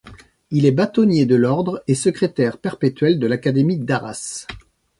Il est bâtonnier de l'ordre et secrétaire perpétuel de l'académie d'Arras.